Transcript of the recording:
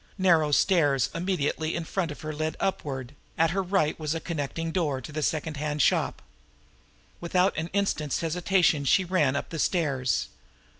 Narrow stairs immediately in front of her led upward; at her right was a connecting door to the secondhand shop. Without an instant's hesitation she ran up the stairs.